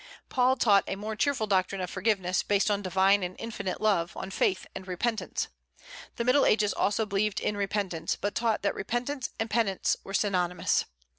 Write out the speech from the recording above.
Paul taught a more cheerful doctrine of forgiveness, based on divine and infinite love, on faith and repentance. The Middle Ages also believed in repentance, but taught that repentance and penance were synonymous.